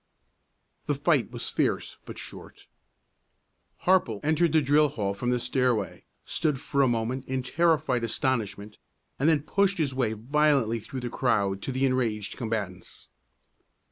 The fight was fierce but short. Harple entered the drill hall from the stairway, stood for a moment in terrified astonishment, and then pushed his way violently through the crowd to the enraged combatants.